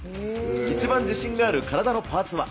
一番自信がある体のパーツは。